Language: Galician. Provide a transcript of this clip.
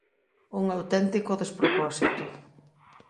Un auténtico despropósito.